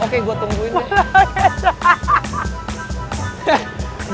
oke gue tungguin deh